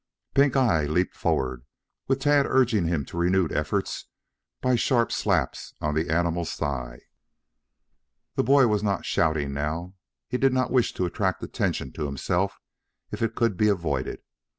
Pink eye leaped forward, with Tad urging him to renewed efforts by sharp slaps on the animal's thigh. The boy was not shouting now. He did not wish to attract attention to himself if it could be avoided.